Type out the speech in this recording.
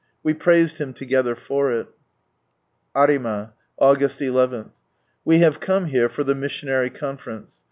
We praised Him together for it. Aritna. Aug. ii. — We have come here for the Missionary Conference.